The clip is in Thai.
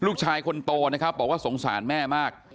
ลูกชายคนโตนะครับบอกว่าสงสารแม่มาก